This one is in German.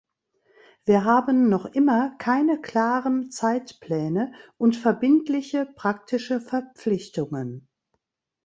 Wir haben noch immer keine klaren Zeitpläne und verbindliche praktische Verpflichtungen.